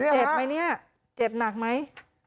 เจ็บไหมเนี่ยเจ็บหนักไหม